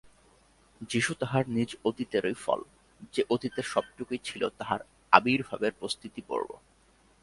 যীশু তাঁহার নিজ অতীতেরই ফল, যে অতীতের সবটুকুই ছিল তাঁহার আবির্ভাবের প্রস্তুতিপর্ব।